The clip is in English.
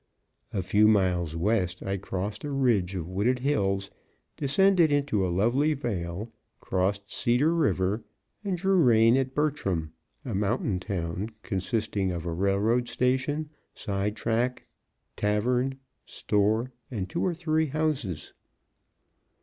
A few miles west I crossed a ridge of wooded hills, descended into a lovely vale, crossed Cedar River, and drew rein at Bertram, a mountain town consisting of a railroad station, side track, tavern, store, and two to three houses.